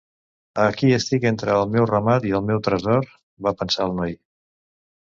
Aquí estic, entre el meu ramat i el meu tresor, va pensar el noi.